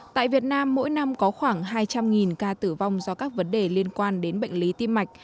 tại việt nam mỗi năm có khoảng hai trăm linh ca tử vong do các vấn đề liên quan đến bệnh lý tim mạch